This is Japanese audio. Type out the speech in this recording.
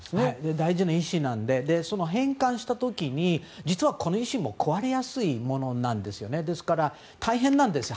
大事な石なのでその返還した時に実はこの石も壊れやすいものなんですよねですから、大変なんですよ